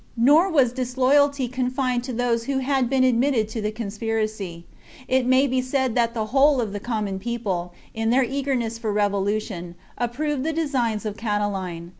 Nor was disloyalty confined to those chap. XXXVll. who had been admitted to tlie conspiracy ; it may be said that thewht>!? of the common people, in their eagerness for rev lution, approved the designs of Catiline.